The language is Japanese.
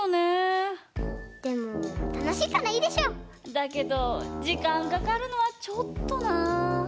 だけどじかんかかるのはちょっとなぁ。